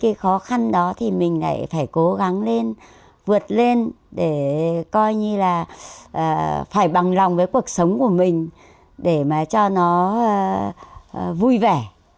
cái khó khăn đó thì mình lại phải cố gắng lên vượt lên để coi như là phải bằng lòng với cuộc sống của mình để mà cho nó vui vẻ